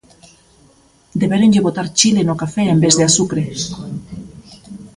Debéronlle botar chile no café en vez de azucre.